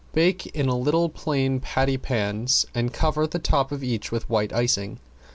Bake in little plain patty pans and cover the top of each with white icing.